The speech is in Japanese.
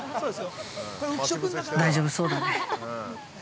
大丈夫そうだね。